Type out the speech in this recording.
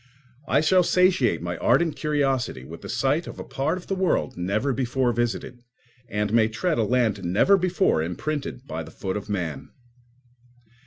I shall satiate my ardent curiosity with the sight of a part of the world never before visited, and may tread a land never before imprinted by the foot of man.